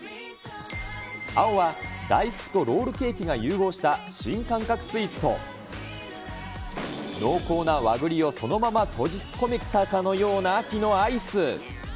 青は、大福とロールケーキが融合した新感覚スイーツと、濃厚な和栗をそのまま閉じ込めたかのような秋のアイス。